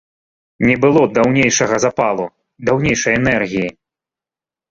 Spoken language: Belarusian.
Не было даўнейшага запалу, даўнейшай энергіі.